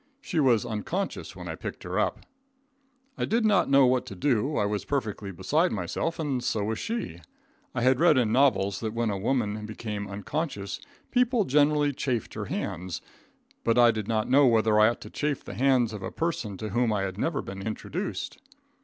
She was unconscious when I picked her up. I did not know what to do, I was perfectly beside myself, and so was she. I had read in novels that when a woman became unconscious people generally chafed her hands, but I did not know whether I ought to chafe the hands of a person to whom I had never been introduced.